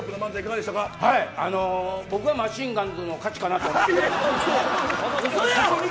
僕はマシンガンズの勝ちかなとうそやん。